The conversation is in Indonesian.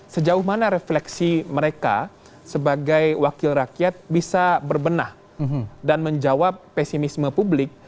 sejauh mana refleksi mereka sebagai wakil rakyat bisa berbenah dan menjawab pesimisme publik